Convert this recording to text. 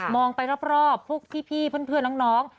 องไปรอบพวกพี่เพื่อนน้อง